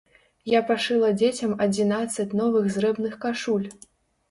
Я пашыла дзецям адзінаццаць новых зрэбных кашуль!